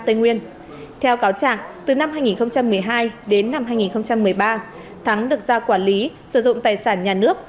tây nguyên theo cáo chẳng từ năm hai nghìn một mươi hai đến năm hai nghìn một mươi ba thắng được giao quản lý sử dụng tài sản nhà nước